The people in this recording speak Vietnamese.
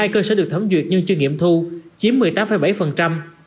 một mươi hai cơ sở được thấm duyệt nhưng chưa nghiệm thu chiếm một mươi tám bảy